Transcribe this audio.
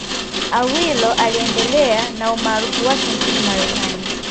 Awilo aliendelea na umaarufu wake nchini Marekani